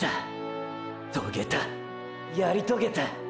遂げたやり遂げた。